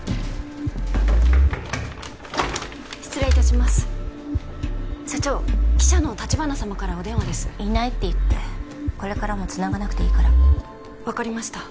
失礼いたします社長記者の橘様からお電話ですいないって言ってこれからもつながなくていいから分かりました